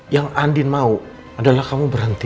yang andin mau adalah kamu berhenti